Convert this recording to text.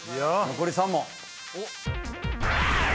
残り３問。